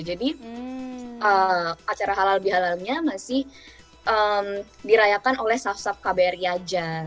jadi acara halal bihalalnya masih dirayakan oleh staff staff kbri aja